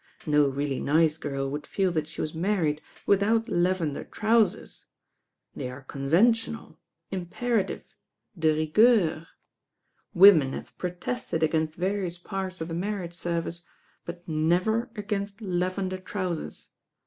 No really nice girl would feel that she was married without lavender trousers. They are conventional, imperative, de rigueur. Women have protested against various parts of the marriage servicr; but never against lavender trousers.